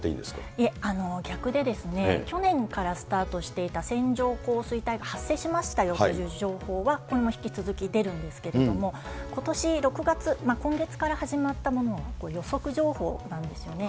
いえ、逆で、去年からスタートしていた線状降水帯発生しましたよという情報はこのまま引き続き出るんですけれども、ことし６月、今月から始まったもの、予測情報なんですよね。